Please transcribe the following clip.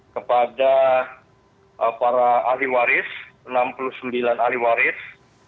kepada para ahli waris enam puluh sembilan ahli waris